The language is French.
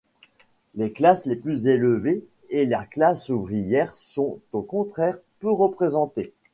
Les classes les plus élevées et la classe ouvrière sont au contraire peu représentées.